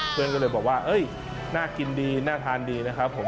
เพื่อนก็เลยบอกว่าน่ากินดีน่าทานดีนะครับผม